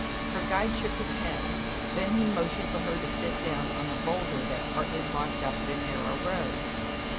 125 Her guide shook his head, then he motioned for her to sit down on a boulder that partly blocked up the narrow road.